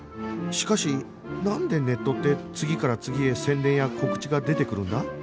しかしなんでネットって次から次へ宣伝や告知が出てくるんだ？